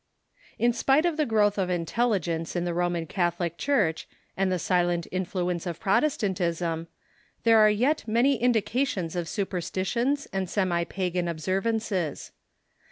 ] In spite of the growth of intelligence in the Roman Catholic Church and the silent influence of Protestantism, there are yet many indications of superstitions and semi pagan ob The House gpi yances.